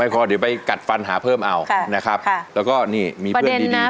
พอเดี๋ยวไปกัดฟันหาเพิ่มเอานะครับแล้วก็นี่มีเพื่อนดี